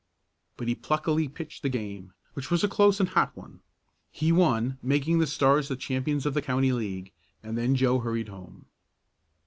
But he pluckily pitched the game, which was a close and hot one. He won, making the Stars the champions of the county league; and then Joe hurried home.